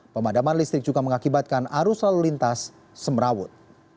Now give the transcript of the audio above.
pemadaman listrik juga mengakibatkan arus lalu lintas semerawut